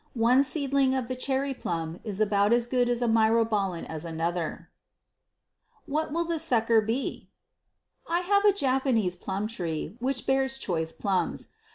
One seedling of the cherry plum is about as good a myrobalan as another. What Will the Sucker Be? I have a Japanese plum tree which bears choice plums.